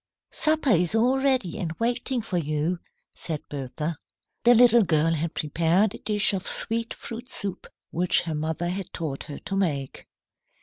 "Supper is all ready and waiting for you," said Bertha. The little girl had prepared a dish of sweet fruit soup which her mother had taught her to make.